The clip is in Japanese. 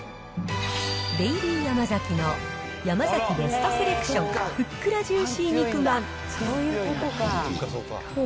デイリーヤマザキのヤマザキベストセレクションふっくらジューシー肉まん。